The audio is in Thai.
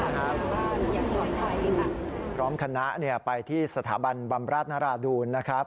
พร้อมคณะไปที่สถาบันบำราชนราดูนนะครับ